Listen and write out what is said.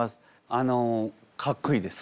あのかっこいいです！